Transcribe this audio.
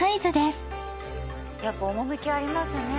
やっぱ趣ありますね。